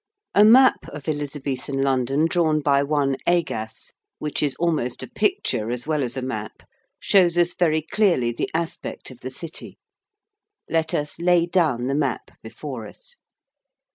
A map of Elizabethan London, drawn by one Agas, which is almost a picture as well as a map, shows us very clearly the aspect of the City. Let us lay down the map before us.